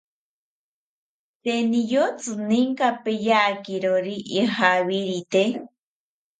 Tee niyotzi ninka peyakirori ijawirite